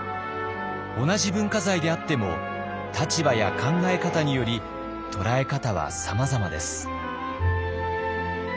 同じ文化財であっても立場や考え方により捉え方はさまざまです。